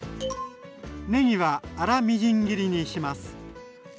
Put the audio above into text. ねぎは粗みじん切りにします。